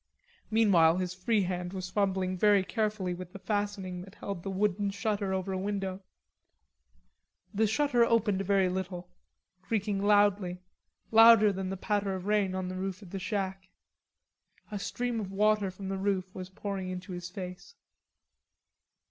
Meanwhile his free hand was fumbling very carefully with the fastening that held the wooden shutter over a window. The shutter opened a very little, creaking loudly, louder than the patter of rain on the roof of the shack. A stream of water from the roof was pouring into his face.